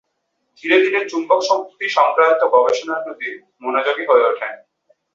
ধীরে ধীরে চুম্বক শক্তি সংক্রান্ত গবেষণার প্রতি মনোযোগী হয়ে ওঠেন।